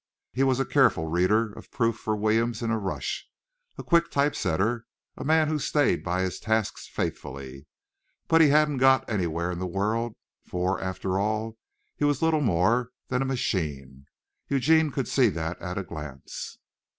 He was a careful reader of proof for Williams in a rush, a quick type setter, a man who stayed by his tasks faithfully. But he hadn't got anywhere in the world, for, after all, he was little more than a machine. Eugene could see that at a glance.